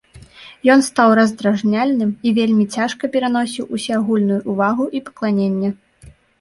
Ён стаў раздражняльным і вельмі цяжка пераносіў усеагульную ўвагу і пакланенне.